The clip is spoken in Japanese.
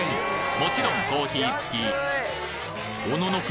もちろんコーヒーつきおののく